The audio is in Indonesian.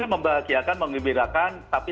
membahagiakan membeberakan tapi